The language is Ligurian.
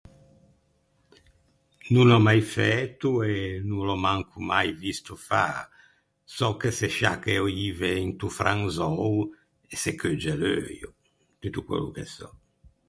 No n’ò mai fæto e no l’ò manco mai visto fâ. Sò che se sciacca e öive into franzou, e se cheugge l’euio. Tutto quello che sò.